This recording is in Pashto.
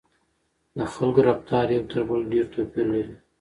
د خلکو رفتار یو تر بل ډېر توپیر لري.